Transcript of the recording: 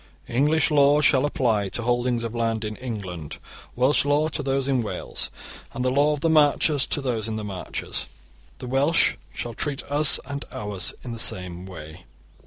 English law shall apply to holdings of land in England, Welsh law to those in Wales, and the law of the Marches to those in the Marches. The Welsh shall treat us and ours in the same way.